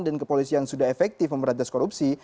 dan kepolisi yang sudah efektif memerintah korupsi